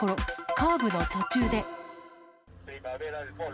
カーブの途中で。